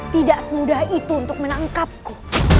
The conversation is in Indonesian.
tidak semudah itu untuk menangkapku